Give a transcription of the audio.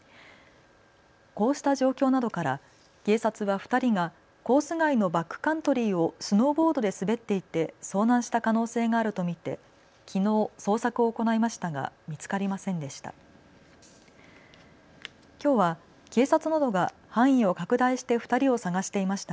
こうした状況などから警察は２人がコース外のバックカントリーをスノーボードで滑っていて遭難した可能性があると見てきのう捜索を行いましたが見つかりませんでした。